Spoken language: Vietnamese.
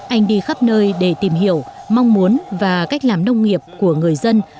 anh đi khắp nơi để tìm hiểu mong muốn và cách làm nông nghiệp của người dân